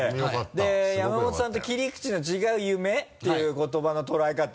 で山本さんと切り口の違う「夢」っていう言葉の捉え方。